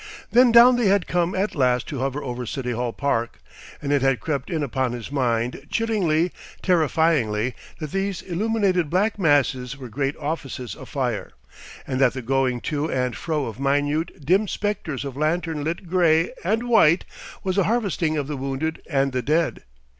Then down they had come at last to hover over City Hall Park, and it had crept in upon his mind, chillingly, terrifyingly, that these illuminated black masses were great offices afire, and that the going to and fro of minute, dim spectres of lantern lit grey and white was a harvesting of the wounded and the dead.